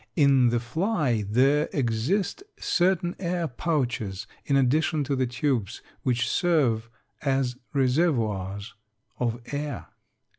In the fly there exist certain air pouches in addition to the tubes, which serve as reservoirs of air.